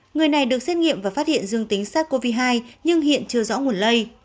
người này được xét nghiệm và phát hiện dương tính sars cov hai nhưng hiện chưa rõ nguồn lây